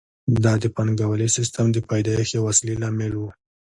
دا د پانګوالي سیسټم د پیدایښت یو اصلي لامل وو